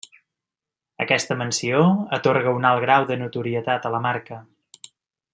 Aquesta menció atorga un alt grau de notorietat a la marca.